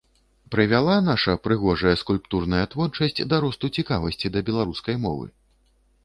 Прывяла наша прыгожая скульптурная творчасць да росту цікавасці да беларускай мовы?